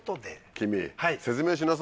君説明しなさいよ。